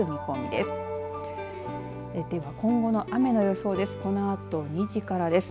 では、今後の雨の予想です。